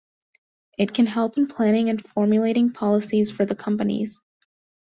It can help in planning and formulating policies for the companies.